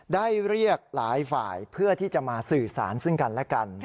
ได้เรียกหลายฝ่ายเพื่อที่จะมาสื่อสารซึ่งกันและกัน